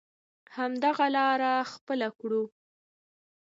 همدغه لاره خپله کړو.